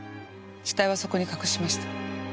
死体はそこに隠しました。